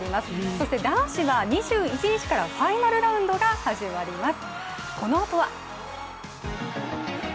そして男子は２１日からファイナルラウンドが始まります。